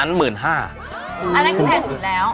อันนั้นคือแผ่นสุดแล้ว